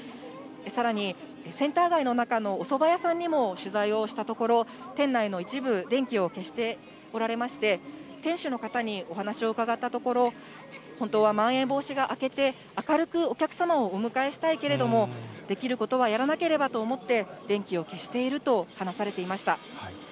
さらに、センター街の中のおそば屋さんにも取材をしたところ、店内の一部、電気を消しておられまして、店主の方にお話を伺ったところ、本当はまん延防止が明けて、明るくお客様をお迎えしたいけれども、できることはやらなければと思って、電気を消していると話されていました。